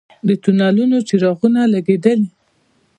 د تونلونو څراغونه لګیدلي؟